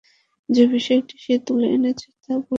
যে বিষয়টি সে তুলে এনেছে তা ভুল ছিল না।